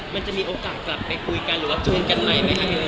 มันจะมีโอกาสกลับไปคุยกันหรือว่าชวนกันใหม่ไหมคะ